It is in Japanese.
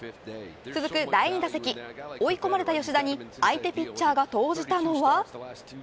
続く第２打席追い込まれた吉田に相手ピッチャーが投じたのは。